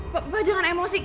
pak jangan emosi